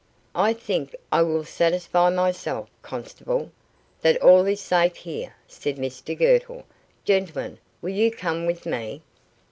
"I think I will satisfy myself, constable, that all is safe here," said Mr Girtle. "Gentlemen, will you come with me?"